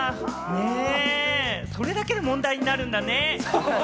それだけで問題になるんだね。